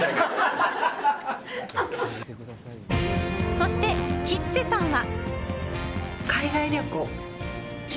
そして、吉瀬さんは。